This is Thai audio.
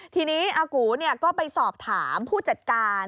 ทีนี้อากูก็ไปสอบถามผู้จัดการ